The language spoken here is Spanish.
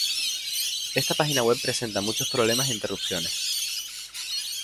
esta página web presenta muchos problemas e interrupciones